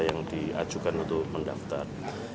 yang diajukan untuk mendaftar